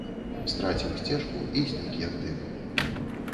Страціў сцежку і знік, як дым.